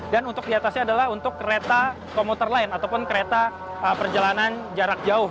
dan untuk di atasnya adalah untuk kereta komuter lain ataupun kereta perjalanan jarak jauh